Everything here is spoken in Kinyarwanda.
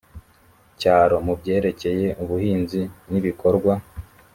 cyaro mu byerekeye ubuhinzi n ibikorwa